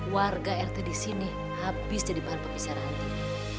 warga rt di sini habis jadi paham pepisah ranti